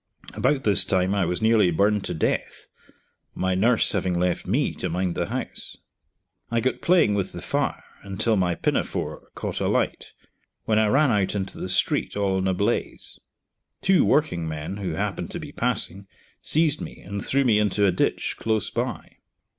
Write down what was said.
About this time I was nearly burned to death, my nurse having left me to mind the house. I got playing with the fire until my pinafore caught alight, when I ran out into the street all in a blaze. Two working men, who happened to be passing, seized me and threw me into a ditch close by.